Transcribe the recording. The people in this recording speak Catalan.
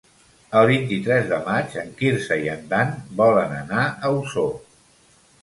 El vint-i-tres de maig en Quirze i en Dan volen anar a Osor.